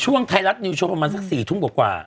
ไทยรัฐนิวโชว์ประมาณสัก๔ทุ่มกว่า